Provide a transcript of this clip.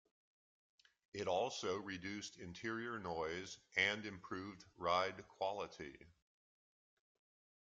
It also reduced interior noise and improved ride quality.